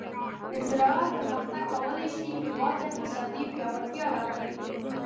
د زراعت پرمختګ کولی شي هیواد ته اقتصادي پیاوړتیا راولي.